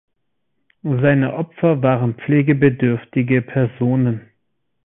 Seine Opfer waren pflegebedürftige Personen.